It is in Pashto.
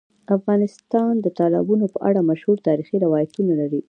افغانستان د تالابونو په اړه مشهور تاریخی روایتونه لري.